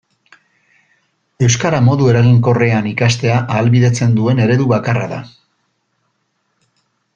Euskara modu eraginkorrean ikastea ahalbidetzen duen eredu bakarra da.